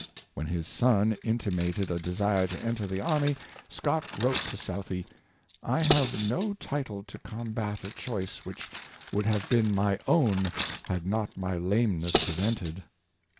When his son intimated a desire to enter the army, Scott wrote to Southey, " I have no title to com bat a choice which would have been my own, had not my lameness prevented."